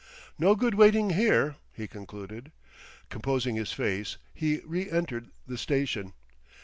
"No good waiting here," he concluded. Composing his face, he reëntered the station.